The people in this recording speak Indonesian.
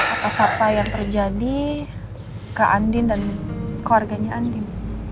atas apa yang terjadi ke andin dan keluarganya andin